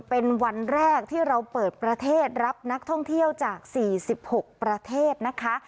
เป็นวันแรกที่เราเปิดประเทศรับนักท่องเที่ยวจาก๔๖ประเทศนะคะ